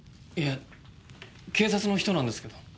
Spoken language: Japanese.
いえ警察の人なんですけど。